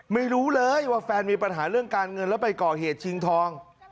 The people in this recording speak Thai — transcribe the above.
ไม่รู้เลยว่าแฟนมีปัญหาเรื่องการเงินแล้วไปก่อเหตุชิงทอง